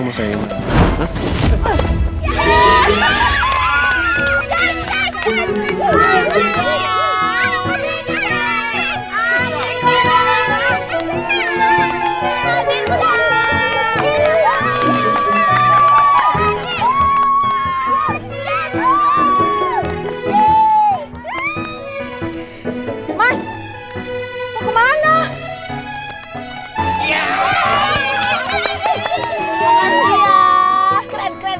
makasih yaa keren keren keren